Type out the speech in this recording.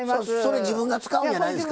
それ自分が使うんじゃないですか？